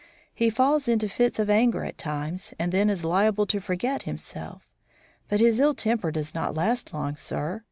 He falls into fits of anger at times and then is liable to forget himself. But his ill temper does not last, sir.